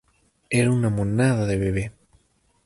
Era una monada de bebé